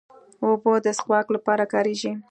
اوبه د څښاک لپاره کارېږي.